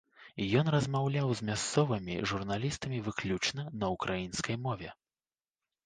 Ён размаўляў з мясцовымі журналістамі выключна на ўкраінскай мове.